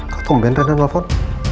kok kemben renan nelfon